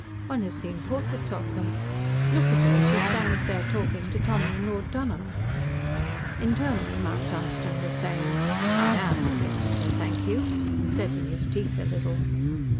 One has seen portraits of them. Look at her as she stands there talking to Tommy and Lord Dunholm!" Internally Mount Dunstan was saying: "I am looking at her, thank you," and setting his teeth a little.